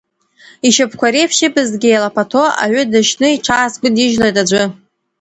Ишьапқәа реиԥш, ибзгьы еилаԥаҭо, аҩы дашьны иҽаасгәыдижьлеит аӡәы.